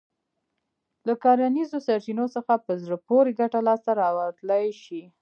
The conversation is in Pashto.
له کرنیزو سرچينو څخه په زړه پورې ګټه لاسته راتلای شي.